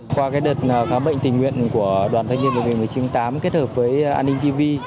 qua cái đợt khám bệnh tình nguyện của đoàn thanh niên một nghìn chín trăm linh tám kết hợp với an ninh tv